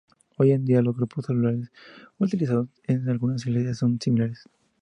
Hoy en día, los grupos celulares utilizados en algunas iglesias son similares.